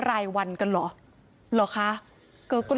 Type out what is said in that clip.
รายวันกันเหรอ